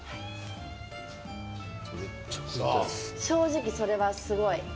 正直それはすごい。